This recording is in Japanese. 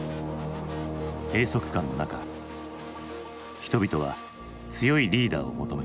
閉塞感の中人々は強いリーダーを求める。